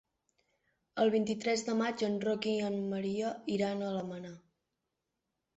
El vint-i-tres de maig en Roc i en Maria iran a Almenar.